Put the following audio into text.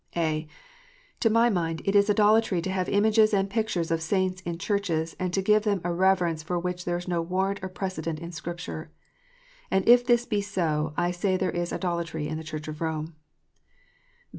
(a) To my mind, it is idolatry to have images and pictures of saints in churches, and to give them a reverence for which there is no warrant or precedent in Scripture. And if this be so, I say there is idolatry in the Church of Rome.